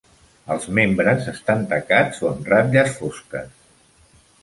Els membres estan tacats o amb ratlles fosques.